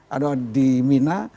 atau di mina